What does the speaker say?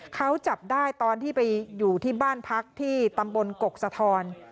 เขาจับได้ตอนที่ไปอยู่ที่บ้านพักที่ตำบลกกสะทอน